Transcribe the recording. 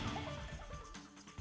tidak ada guna ada penyusup